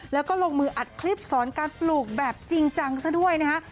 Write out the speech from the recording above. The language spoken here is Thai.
แล้วก็ลงมืออัดคลิปสอนการปลูกแบบจริงจังซะด้วยนะฮะ